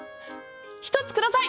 １つください